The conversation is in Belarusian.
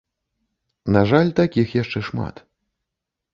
На жаль, такіх яшчэ шмат.